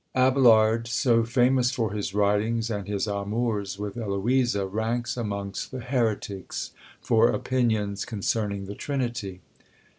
Abelard, so famous for his writings and his amours with Eloisa, ranks amongst the Heretics for opinions concerning the Trinity!